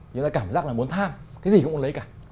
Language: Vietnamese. chúng ta cảm giác là muốn tham cái gì cũng muốn lấy cả